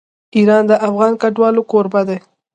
ایران د افغان کډوالو کوربه دی.